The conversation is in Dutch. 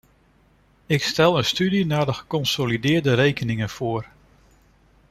Ik stel een studie naar de geconsolideerde rekeningen voor.